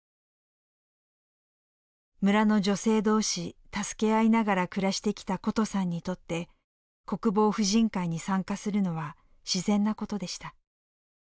村の女性同士助け合いながら暮らしてきたことさんにとって国防婦人会に参加するのは自然なことでした。